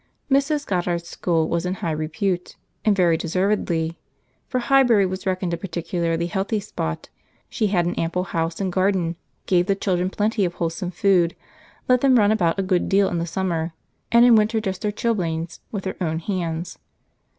Mrs. Goddard's school was in high repute—and very deservedly; for Highbury was reckoned a particularly healthy spot: she had an ample house and garden, gave the children plenty of wholesome food, let them run about a great deal in the summer, and in winter dressed their chilblains with her own hands.